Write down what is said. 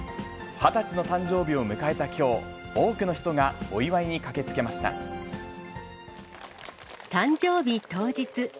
２０歳の誕生日を迎えたきょう、多くの人がお祝いに駆けつけまし誕生日当日。